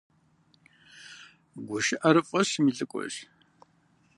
ГушыӀэр фӀэщым и лӀыкӀуэщ.